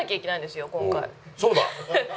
そうだ。